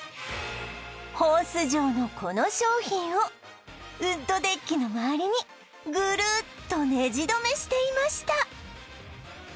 ホース状のこの商品をウッドデッキの周りにぐるっとネジどめしていました